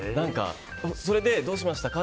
それで、どうしましたか？